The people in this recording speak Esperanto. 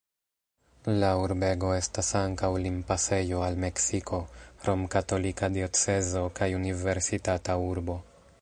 La urbego estas ankaŭ limpasejo al Meksiko, romkatolika diocezo kaj universitata urbo.